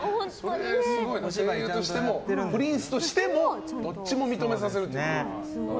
声優としてもプリンスとしてもどっちも認めさせると。